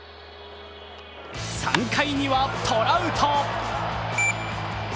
３回にはトラウト！